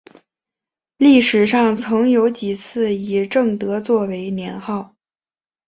历史上曾有几次以正德作为年号。